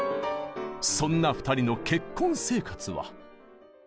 そんな２人の結婚生活は。